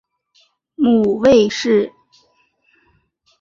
母魏氏。